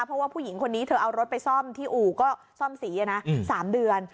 เพราะว่าผู้หญิงคนนี้เธอเอารถไปซ่อมที่อู่ก็ซ่อมสีนะ๓เดือน